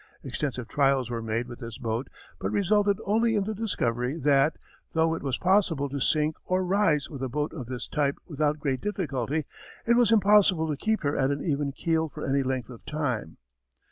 Extensive trials were made with this boat but resulted only in the discovery that, though it was possible to sink or rise with a boat of this type without great difficulty, it was impossible to keep her at an even keel for any length of time.